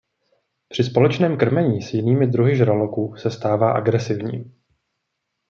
Při společném krmení s jinými druhy žraloků se stává agresivním.